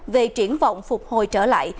về triển vọng phục hồi trở lại